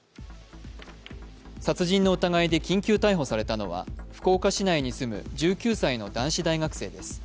殺人の疑いで緊急逮捕されたのは福岡市内に住む１９歳の男子大学生です。